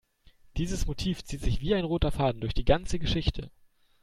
Dieses Motiv zieht sich wie ein roter Faden durch die ganze Geschichte.